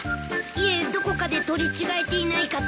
いえどこかで取り違えていないかと。